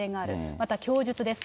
また供述です。